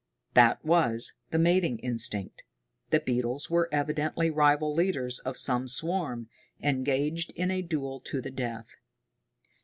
That was the mating instinct. The beetles were evidently rival leaders of some swarm, engaged in a duel to the death.